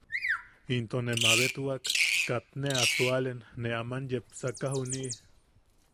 Into ne mabetwak katne a sualen ne aman yepsaka juniʼi.